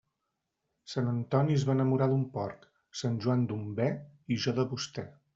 Sant Antoni es va enamorar d'un porc; Sant Joan, d'un be, i jo de vostè.